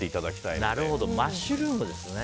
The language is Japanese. なるほどマッシュルームですね。